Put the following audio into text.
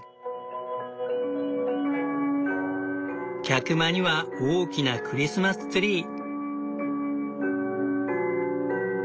客間には大きなクリスマスツリー。